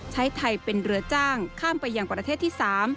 ไทยเป็นเรือจ้างข้ามไปยังประเทศที่๓